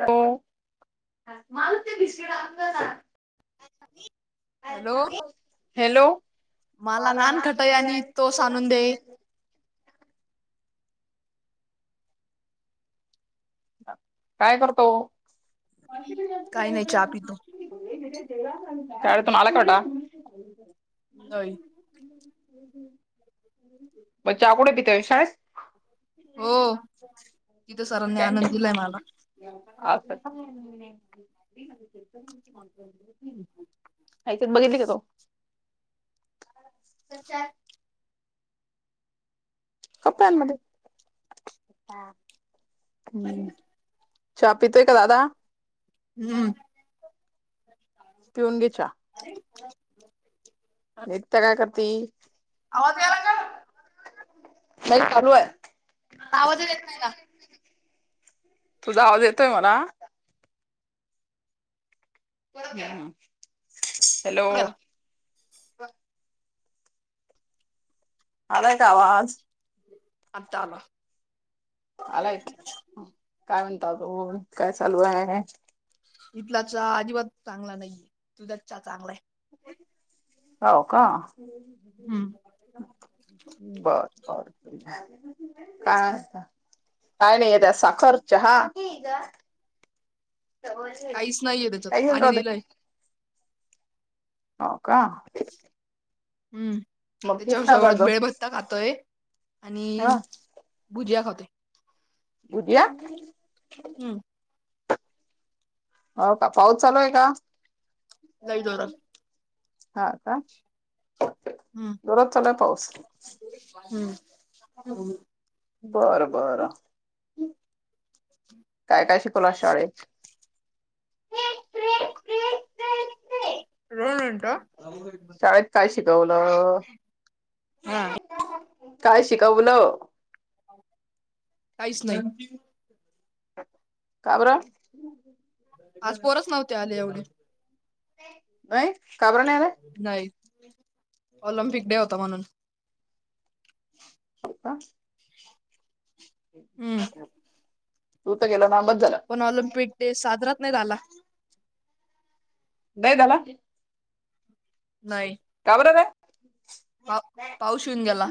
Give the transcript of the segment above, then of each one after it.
हो मला ते बिस्कीट आणून द्याना. ये खलिफा हॅलो मला नानखटाई आणि टोस आणून दे. द्या काय करतो? काही नाही चहा पितो. शाळेतून आले का वटा? होय. म चहा कुठे पीते शाळेस. हो तिथं सरांनी आनंद दिलाय मला. [unintelligible] आईच्यात बघितली का तू? [unintelligible] कपानमध्ये हम्म. चहा पितय का दादा? हूं पिऊन घे चहा. एकता काय करती? आवाज यायला का? सही [unintelligible] त तारु आहे. आवाजच येत नाही ना. तुझा आवाज येतोय मला. [unintelligible] हॅलो. गेला आलाय का आवाज? आता आला. आलाय. काय म्हणता? दादोबा काय चालू आहे? इथला चहा अजिबात चांगला नाहीय. तुझा चहा चांगलाय. होव का. हम्म बर, बर काय असतं? काय नाही येत. साखर चहा [unintelligible] [unintelligible] काहीच नाहीये त्याच्यात आई पाणी राहू दे. दिलंय. हो का. हम्. मग घेत त्याच्याच ना का जवळ ग भेळभत्ता खातोय. आणि हा भुजिया खातोय. बुद्या. हम्म. हो का पाऊस चालू हाय का? लई जोरात. हा का हम्म दररोज चालूय पाऊस. हम. बरं, बरं. हं. काय काय शिकवल आज शाळेत? रेल इंटा - - शाळेत काय शिकवलं. काय शिकवलं? काहीच नाही. काबर? आज पोरच नव्हती आली एवढी. नाहीत. का बर नाही आले? नाही ऑलिम्पिक डे होता म्हणून. का? हम्म. तू तर गेला ना बसं झाल. ते साजरात नाही झाला. नै झाला. नाही. काबर र? पाऊ पाऊस येऊन गेला.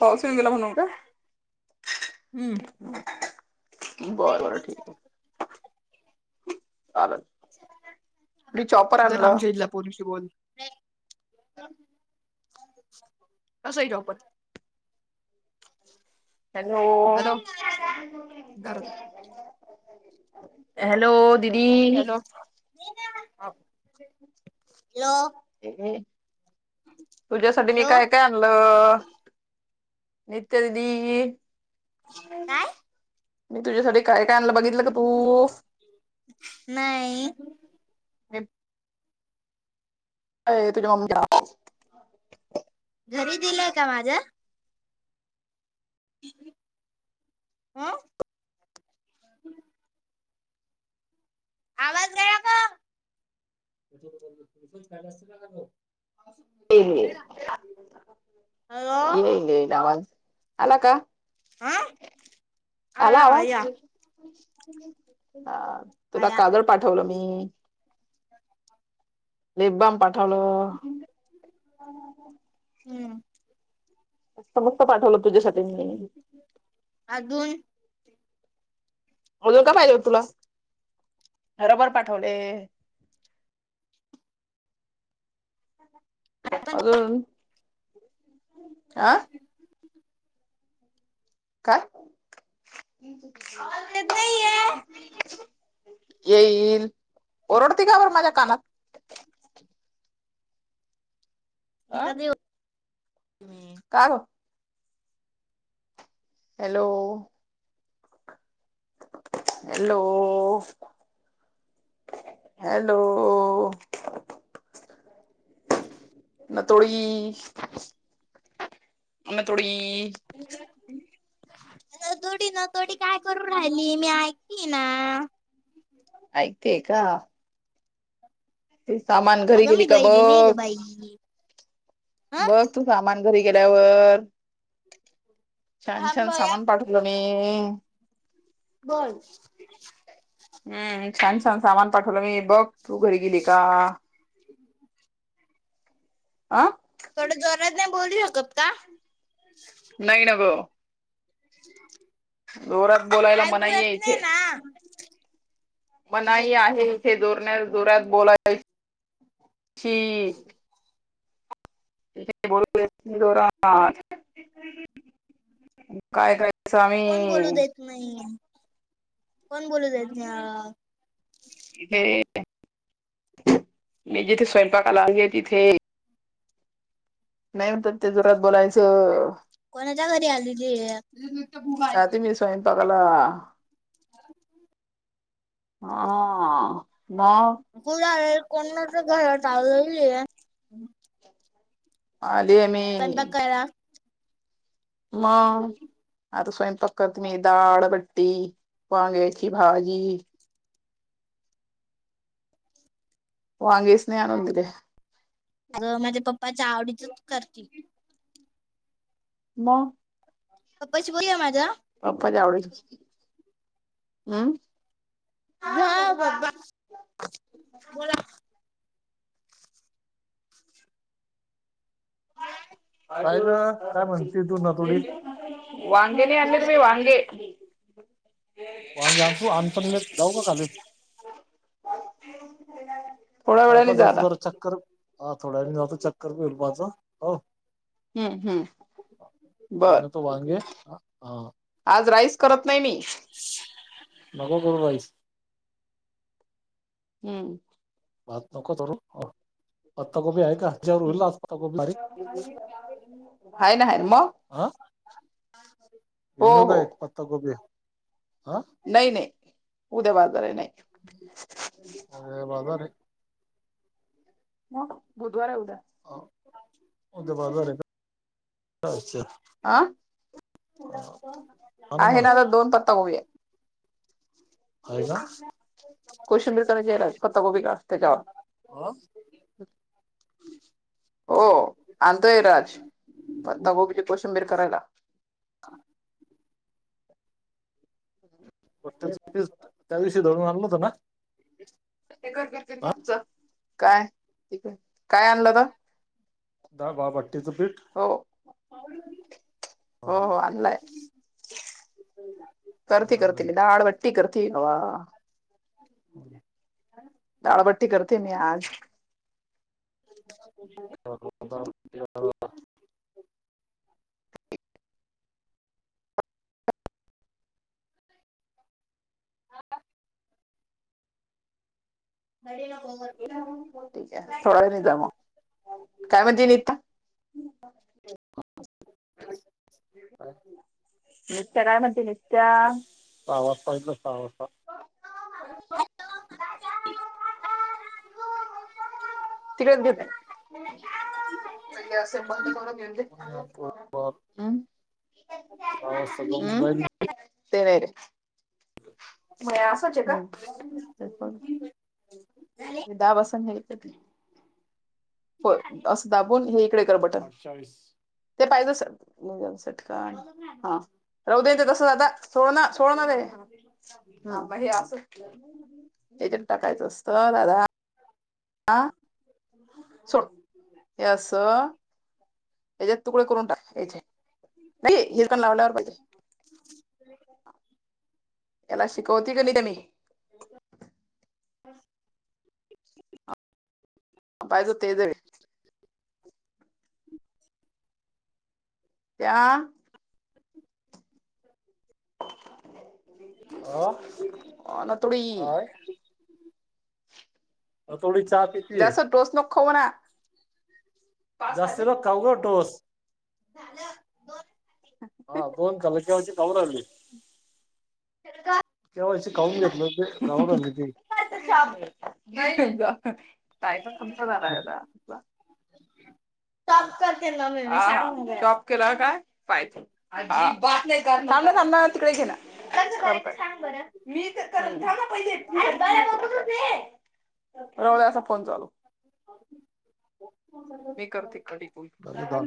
पासून येऊन गेला म्हणू का? हम्म. बर बर ठीक काय. चाललं. तर आणलं आमच्या पोरीशी बोल. कस हाय ठोपत? हॅलो, हॅलो घरात हॅलो. दिदी. हौ. तुझ्यासाठी मी हॅलो काय काय आणलं नेतदी काय मी तुझ्यासाठी काय काला बघितलं का तू नाही अ अ तुझी मम्मी घरी दिलंय का माझ्या आं आवाज गेला का येल येल हॅलो येईल येईल आवाज आला का आ आला आवाज हा तुला आया काजळ पाठवलं मी लिपवाम पाठवलो हम्म मस्त पाठवलं तुझ्यासाठी मी अजून म्हजून काय पाहिजे होत तुला रबर पाठवले अजून आह काय त नाही या येईल ओरडते का बरं माझ्या कानात अह कधी काव हॅलो हॅलो हॅलो म थोडी म थोडी ह तो काय करू राहिली मी ऐकली ना नतोडी नतोडी काय म्हणते मी ऐकत आहे ना ते सामान घरी अगं गेली मी का बहिरी नाही ग बघ बाई ह बस तू सामान घरी गेल्यावर छान थांब छान बया समान पाठलो मी बोल हम्म छान छान सामान पाठवलं मी बघ तू घरी गेली का. अ. थोड जोरात नाय बोलू शकत का. नाही ना ग. जोरात बोलायला ऐकू मनाई आहेे येत नाही इथे. ना मनाई आहे इथे जोरण्या जोरत बोलाय ची. ईथ बोलू शकत नाही जोरात, काय काय कोण बोलू देत नाही कोण बोलू देत नाही. तथे मी जिथे स्वयंपाकाला आली आहे तिथे. नाही म्हते जोरात बोलायचं. कोणाच्या घ आलेलीय. बोला हा. मग कुर आलल कोनाच्या घरात आलेलीय. आली मी. करायला मग. आता स्वयंपाक करते मी डाळ बट्टी वांग्यायची भाजी. वांगेच नाही आणून दिले. अग माझ्या पप्पाच्या आवडीतच करती. मग पप्पाशी बोलूया माझ्या. पप्प जावडे हम्म. घ्याओ पप्पा, बोला. काय. काय ग काय म्हणतीस, वांगे नाही आणले तुम्ही वांगे. वांगे आणतो आणतो लगेच जाऊ का खाली. थोड्या पायपाय वेळाने जा जातो आता जरा चक्कर. हा थोड्या वेळाणी जाातो चक्कर बी होईल पहातो. हम्म् हम्म घेऊन बर येतो वांगे हा आज राईस करत नेमी. नगो करु कायचं. हम्म. भात नको करू. [unintelligible] पत्ताकोबी आहे का तेजवर हुईल ना पत्ताकोबी भाजी. हाय ना हाय ना मग हो घेूऊन येऊ हो काय पत्ता गोबी. नाही नाही उद्या बाजार आहे नाही. अे बाजरय. मग बुधवार हाय उद्या. आहे उद्या बाजार हेका. अच्छा अं, हा आहे मग ना आग दोन पत्ताकोबी हाय. आहे का [unintelligible] कोशिंबीर करायची आणि पत्ताकोबी काटते जाऊ [inaudible] हा हो आणतोय राज पत्ताकोबीची कोशिंबीर करायला. [inaudible] त्या त्याविवषी धरून आणल होत ना. हा काय त काय आणलं र डाल बाभट्टीचं पीठ. हा. हो हो आणलंय. करती करती दाळ वट्टी करती वा [inaudible] दाडबट्टी करते मी आज [inaudible] हा नडी ना ठीक आहे सोडवे नि जा मग काय म्हणजे निता [unintelligible] नत्या काय म्हणती नत्या पहिला सहा वाजता हॅलो मामी तिकडेच घेत पहिले असे ब करून घेऊन हवाल ब ते नाहीे [inaudible] ते दहा बसन घ्याय ते हो असं दाबून हे इकडे कर बटन अठ्ठावीस ते पाहिजेसाठी राहू दे तसंच आता सो सोळाणार रे. हा हे अस याच्या टाकायचं असत दादा आ. सोड यास. याचेत तुकडे करून टाक याचे नाही हिरकण लावल्यावर पाहिजे. [inaudible] याला शिकवती क नाही त मी हम्. ह पायच ते जर. त्या. हा ना थोडी काय. अ थोडी चहा पितीय. कोरा. जास्त बघ खाऊ ग टोस. [unintelligible] केव्हाच त गावडली त. काय सज बा बा टॉप करते ना टॉप केला काय फाय. थांबा थांबा तिकडे गेला. रवळ फोन चालू. मी करते कधी कॉल. झालं काम.